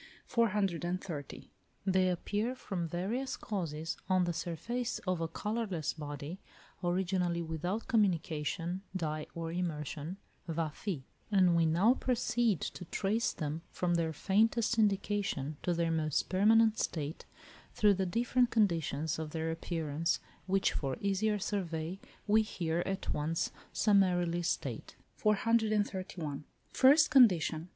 430. They appear from various causes on the surface of a colourless body, originally, without communication, die or immersion (βαφή); and we now proceed to trace them, from their faintest indication to their most permanent state, through the different conditions of their appearance, which for easier survey we here at once summarily state. 431. First condition.